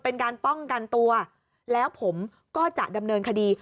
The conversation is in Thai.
เป็นการป้องกันตัวแล้วผมก็จะดำเนินคดี